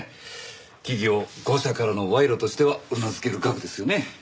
企業５社からの賄賂としてはうなずける額ですよね。